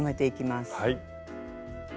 はい。